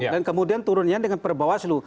kemudian turunnya dengan perbawaslu